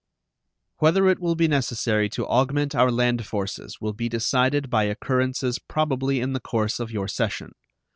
Whether it will be necessary to augment our land forces will be decided by occurrences probably in the course of your session.